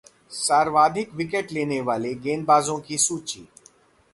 सर्वाधिक विकेट लेने वाले गेंदबाजों की सूची